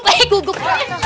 aduh gua gup